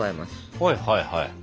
はいはいはい。